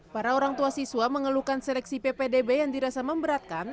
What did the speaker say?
para orang tua siswa mengeluhkan seleksi ppdb yang dirasa memberatkan